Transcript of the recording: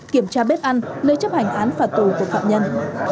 kiểm tra bếp ăn nơi chấp hành án phạt tù của phạm nhân